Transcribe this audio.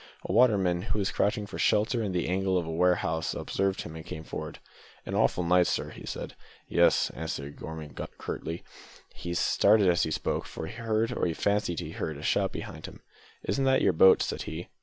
A waterman, who was crouching for shelter in the angle of a warehouse, observed him, and came forward. "An awful night, sir," he said. "Yes," answered Gorman curtly. He started as he spoke, for he heard, or he fancied he heard, a shout behind him. "Is that your boat?" said he.